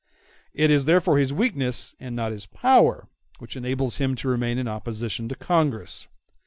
It is therefore his weakness, and not his power, which enables him to remain in opposition to Congress.